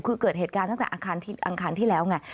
คือเกิดเหตุการณ์ตั้งแต่อังคารที่แล้วไง